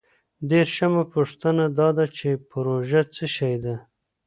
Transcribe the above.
دیرشمه پوښتنه دا ده چې پروژه څه شی ده؟